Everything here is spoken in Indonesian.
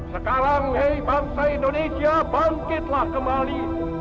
sekarang hei bangsa indonesia bangkitlah kembali